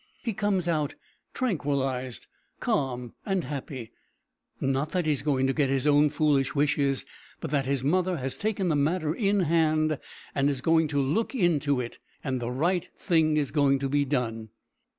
He comes out tranquilized, calm, and happy not that he is going to get his own foolish wishes, but that his mother has taken the matter in hand and is going to look into it, and the right thing is going to be done.